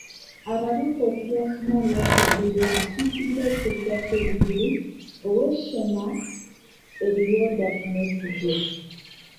Ababaka okuli Asuman Basalirwa akiikirira ekibuga ky'e Bugiri, owe' Sheema, Elioda Tumwesigye.